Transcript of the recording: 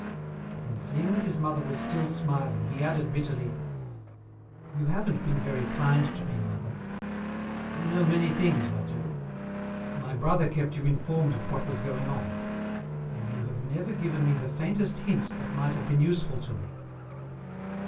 Then, seeing that his mother was still smiling, he added bitterly: "You haven't been very kind to me, mother. I know many things, I do. My brother kept you informed of what was going on, and you have never given me the faintest hint that might have been useful to me."